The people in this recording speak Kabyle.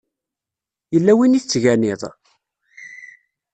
Yella win i tettganiḍ?